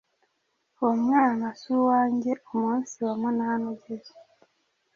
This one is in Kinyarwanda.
Uwo mwana si uwange! Umunsi wa munani ugeze,